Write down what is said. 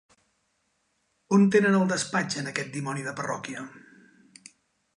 - A on tenen el despatx en aquest dimoni de parròquia?